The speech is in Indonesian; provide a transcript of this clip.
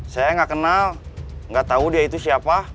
saya gak kenal gak tau dia itu siapa